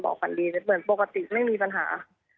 บอกกันดีเหมือนปกติก็ไม่มีปัญหา